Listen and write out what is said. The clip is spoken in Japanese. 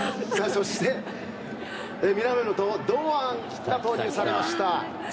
そして南野と堂安が投入されました。